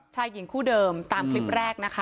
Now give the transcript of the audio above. ชายหญิงคู่เดิมตามคลิปแรกนะคะ